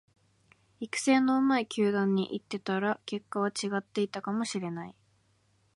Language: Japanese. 育成の上手い球団に行ってたら結果は違っていたかもしれない